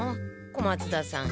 小松田さん